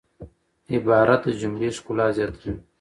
عبارت د جملې ښکلا زیاتوي.